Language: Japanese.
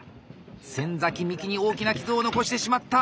先幹に大きな傷を残してしまった！